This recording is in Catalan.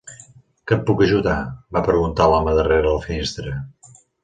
"Que et puc ajudar?", va preguntar l'home darrere la finestra.